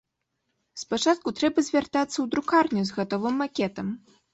Спачатку трэба звяртацца ў друкарню з гатовым макетам.